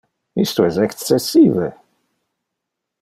Isto es excessive!